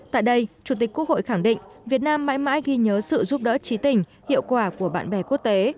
tại đây chủ tịch quốc hội khẳng định việt nam mãi mãi ghi nhớ sự giúp đỡ trí tình hiệu quả của bạn bè quốc tế